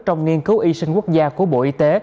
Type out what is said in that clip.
trong nghiên cứu y sinh quốc gia của bộ y tế